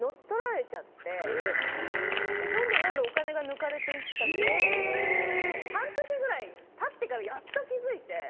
どんどんどんどんお金が抜かれて行ったのを半年ぐらいたってからやっと気付いて。